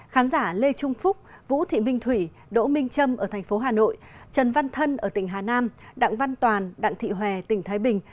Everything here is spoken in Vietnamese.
khán giả lê trung phúc vũ thị minh thủy đỗ minh trâm ở thành phố hà nội trần văn thân ở tỉnh hà nam đặng văn toàn đặng thị hòe tỉnh thái bình